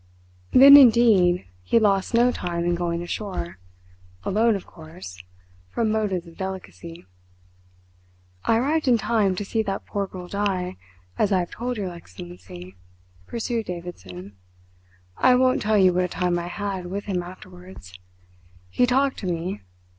Then indeed he lost no time in going ashore alone, of course, from motives of delicacy. "I arrived in time to see that poor girl die, as I have told your Excellency," pursued Davidson. "I won't tell you what a time I had with him afterwards. He talked to me.